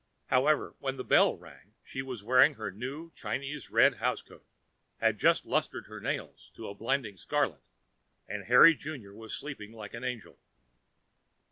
However, when the bell rang, she was wearing her new Chinese red housecoat, had just lustered her nails to a blinding scarlet, and Harry Junior was sleeping like an angel.